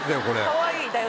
かわいい。だよ！